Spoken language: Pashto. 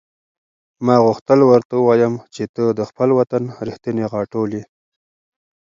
ما غوښتل ورته ووایم چې ته د خپل وطن رښتینې غاټول یې.